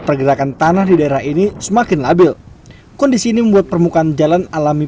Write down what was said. pergerakan tanah di daerah ini semakin labil kondisi ini membuat permukaan jalan alami